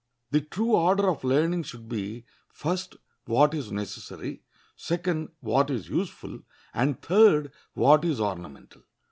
The true order of learning should be, first, what is necessary; second, what is useful; and third, what is ornamental.